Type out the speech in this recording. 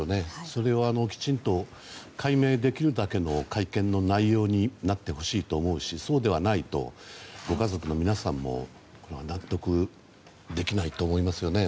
それをきちんと解明できるだけの会見の内容になってほしいと思うしそうではないとご家族の皆さんも納得できないと思いますよね。